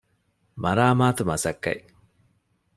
މަރާމާތު މަސައްކަތް